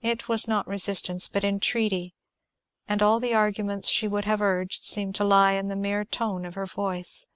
It was not resistance but entreaty, and all the arguments she would have urged seemed to lie in the mere tone of her voice.